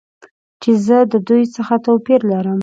چې زه د دوی څخه توپیر لرم.